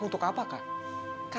untuk apa kak